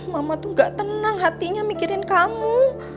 mama tuh gak tenang hatinya mikirin kamu